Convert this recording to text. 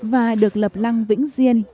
và được lập lăng vĩnh riêng